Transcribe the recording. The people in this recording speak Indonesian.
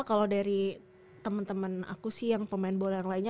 kalau dari teman teman aku sih yang pemain bola yang lainnya